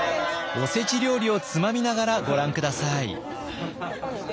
おせち料理をつまみながらご覧下さい。